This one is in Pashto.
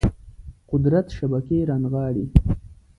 قدرت شبکې رانغاړي